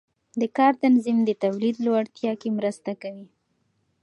د کار تنظیم د تولید لوړتیا کې مرسته کوي.